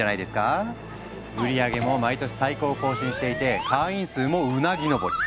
売り上げも毎年最高を更新していて会員数もうなぎ登り。